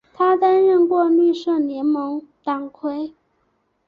他担任过绿色联盟党魁。